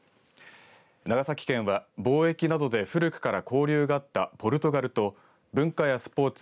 長崎県は貿易などで古くから交流があったポルトガルと文化やスポーツ